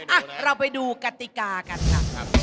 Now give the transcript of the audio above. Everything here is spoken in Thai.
อ่ะเราไปดูกติกากันค่ะ